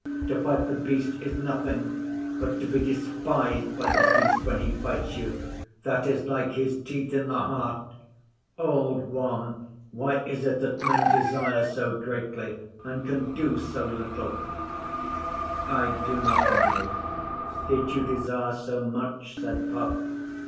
To fight The Beast is nothing, but to be despised by The Beast when he fights you that is like his teeth in the heart! Old One, why is it that men desire so greatly, and can do so little?' 'I do not know. Did you desire so much?' said Puck.